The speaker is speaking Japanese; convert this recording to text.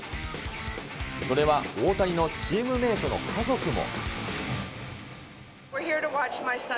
それは大谷のチームメートの家族も。